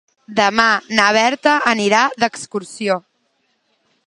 Demà na Berta anirà d'excursió.